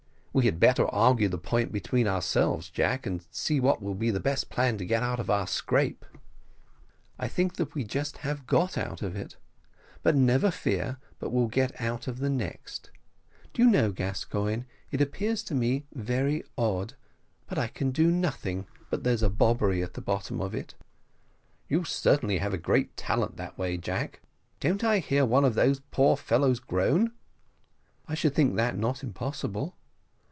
"We had better argue the point between ourselves, Jack, and see what will be the best plan to get out of our scrape." "I think that we just have got out of it never fear but we'll get out of the next. Do you know, Gascoigne, it appears to me very odd, but I can do nothing but there's a bobbery at the bottom of it." "You certainly have a great talent that way, Jack. Don't I hear one of these poor fellows groan?" "I should think that not impossible."